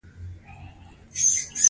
یو سل او اته پنځوسمه پوښتنه د مینوټ ده.